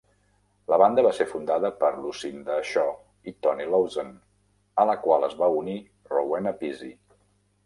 La banda va ser fundada per Lucinda Shaw i Toni Lawson, a la qual es va unir Rowena Pizzey.